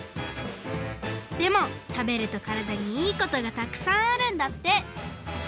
でもたべるとからだにいいことがたくさんあるんだって！